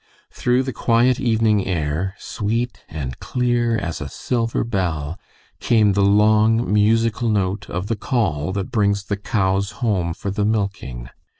Through the quiet evening air, sweet and clear as a silver bell, came the long, musical note of the call that brings the cows home for the milking.